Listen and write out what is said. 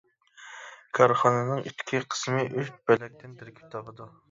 كارخانىنىڭ ئىچكى قىسمى ئۈچ بۆلەكتىن تەركىب تاپىدۇ.